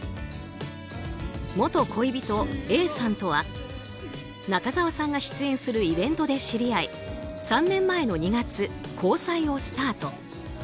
元恋人Ａさんとは中澤さんが出演するイベントで知り合い３年前の２月、交際をスタート。